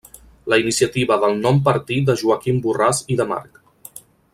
La iniciativa del nom partí de Joaquim Borràs i de March.